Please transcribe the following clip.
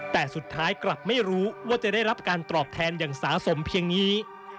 แต่สุดท้ายกลับไม่รู้ว่าจะได้รับการตอบแทนอย่างสะสมเพียงนี้